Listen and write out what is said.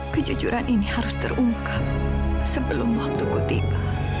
kejujuran ini harus terungkap sebelum waktuku tiba